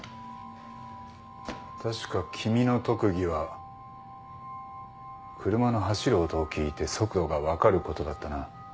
確か君の特技は車の走る音を聞いて速度が分かることだったな？